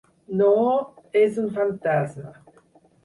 No, és un fantasma.